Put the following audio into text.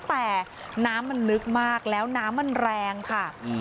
แต่น้ำมันลึกมากแล้วน้ำมันแรงค่ะ